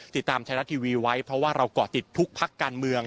ติดตามไทยรัฐทีวีไว้เพราะว่าเราก่อติดทุกพักการเมือง